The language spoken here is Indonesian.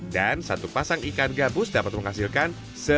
dan satu pasang ikan gabus dapat menghasilkan